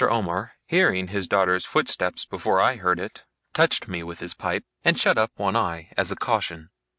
Omer, hearing his daughter's footstep before I heard it, touched me with his pipe, and shut up one eye, as a caution.